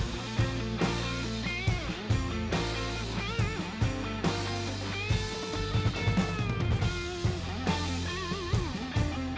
meski kau takkan pernah